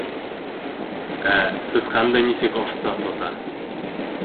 Ә сысҡанды нисек оҫта тота!..